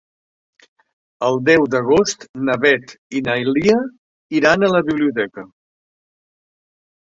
El deu d'agost na Beth i na Lia iran a la biblioteca.